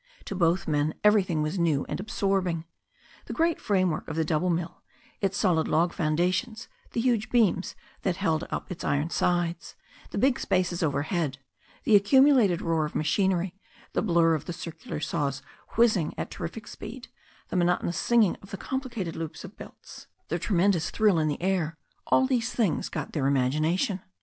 To both men everything was new and absorbing. The great framework of the double mill, its solid log founda tions, the huge beams that held up its iron sides, the big spaces overhead, the accumulated roar of machinery, the blurr of the circular saws whizzing at terrific speed, the monotonous singing of the complicated loops of belts, the tremendous thrill in the air — ^all these things got their im agination.